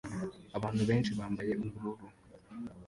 Abantu benshi bambaye ubururu